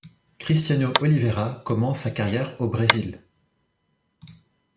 Cristiano Oliveira commence sa carrière au Brésil.